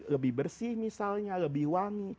lebih bersih misalnya lebih wangi